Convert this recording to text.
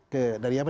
ke dari apa